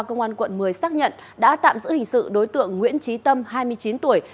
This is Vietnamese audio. công an quận một mươi xác nhận đã tạm giữ hình sự đối tượng nguyễn trí tâm hai mươi chín tuổi